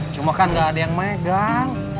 cuma kan gak ada yang megang